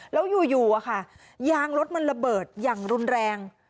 แล้วอยู่ยางรถมันระเบิดอย่างรุนแรง